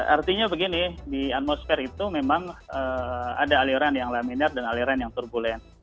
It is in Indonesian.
artinya begini di atmosfer itu memang ada aliran yang laminat dan aliran yang turbulen